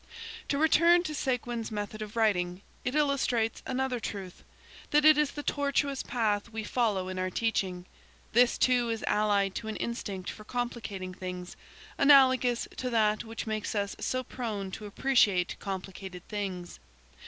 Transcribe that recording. To return to Séguin's method of writing, it illustrates another truth, and that is the tortuous path we follow in our teaching. This, too, is allied to an instinct for complicating things, analogous to that which makes us so prone to appreciate complicated things.